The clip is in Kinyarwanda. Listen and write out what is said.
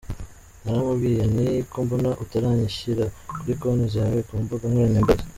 Naramubwiye nti ’ko mbona utarayishyira kuri konti zawe ku mbuga nkoranyambaga ?